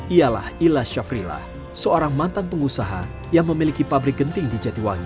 ialah ila syafrilah seorang mantan pengusaha yang memiliki pabrik genting di jatiwangi